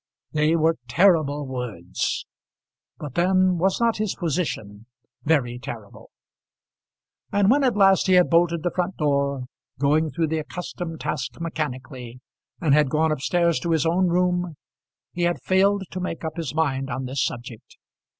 They were terrible words; but then was not his position very terrible? And when at last he had bolted the front door, going through the accustomed task mechanically, and had gone up stairs to his own room, he had failed to make up his mind on this subject.